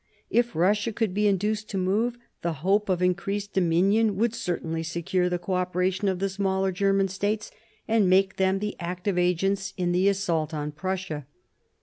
If Russia could be induced to move, the hope of increased dominion would certainly secure the co operation of the smaller German states, and make them the active agents in the assault on Prussia.